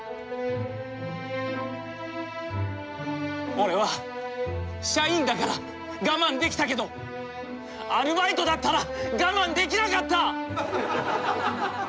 俺は社員だから我慢できたけどアルバイトだったら我慢できなかった！